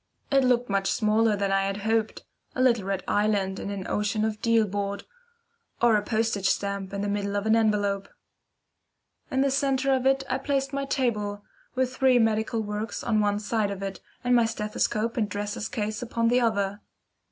It looked much smaller than I had hoped, a little red island on an ocean of deal board, or a postage stamp in the middle of an envelope. In the centre of it I placed my table, with three medical works on one side of it, and my stethoscope and dresser's case upon the other.